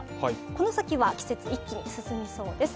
この先は、季節、一気に進みそうです。